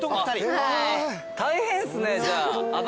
大変っすねじゃあ。